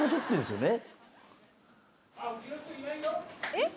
えっ？